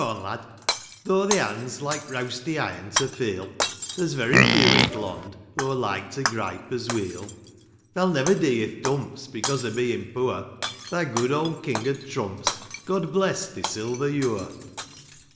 ONE, lad, though thi bond's Like reawsty^ iron to feel. There's very few i'th lend Aw like to gripe ' as weel, Tha'U never dee i'th dumps Becose o' betn' poor, Thae good owd king o' trumps, — God bless thi silver yure !